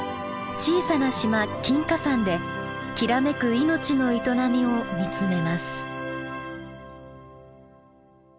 小さな島金華山できらめく命の営みを見つめます。